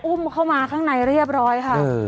เข้ามาข้างในเรียบร้อยค่ะ